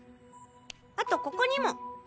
あとここにも。